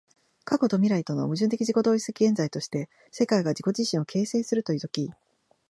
過去と未来との矛盾的自己同一的現在として、世界が自己自身を形成するという時